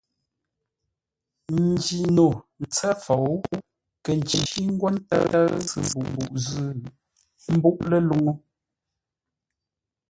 Njino ntsə́ fou nkə̂ ncí ńgwó ńtə́ʉ ntsʉ-mbuʼ zʉ́ ḿbúʼ ləluŋú.